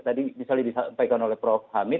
tadi misalnya disampaikan oleh prof hamid